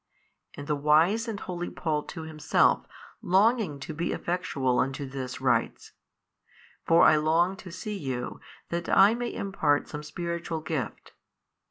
And the wise and holy Paul too himself longing to be effectual unto this writes, For I long to see you that I may impart some spiritual gift.